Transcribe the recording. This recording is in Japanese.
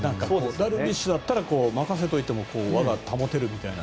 ダルビッシュだったら任せておいたら輪が保てるみたいな。